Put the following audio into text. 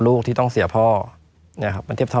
ไม่มีครับไม่มีครับ